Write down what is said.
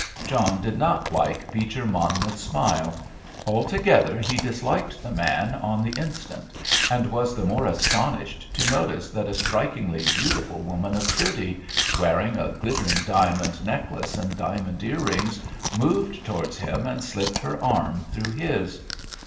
John did not like Beecher Monmouth's smile; altogether he disliked the man on the instant, and was the more astonished to notice that a strikingly beautiful woman of thirty, wearing a glittering diamond necklace and diamond ear rings, moved towards him and slipped her arm through his.